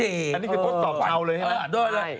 อันนี้คือต้นต่อเช้าเลยฮะ